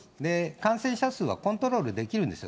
感染者数はコントロールできるんですよ。